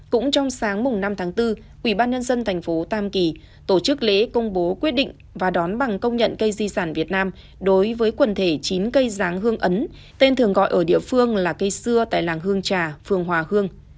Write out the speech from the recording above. cũng trong sáng mùng năm tháng bốn ủy ban nhân dân thành phố tam kỳ tổ chức lễ công bố quyết định và đón bằng công nhận cây di sản việt nam đối với quần thể chín cây ráng hương ấn tên thường gọi ở địa phương là cây xưa tại làng hương trà phường hòa hương